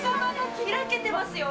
開けてますよ。